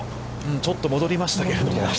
ちょっと戻りましたけれども。